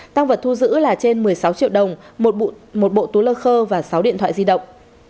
tăng vật thu giữ là trên một mươi sáu triệu đồng một bộ túi lơ khơ và sáu điện thoại di động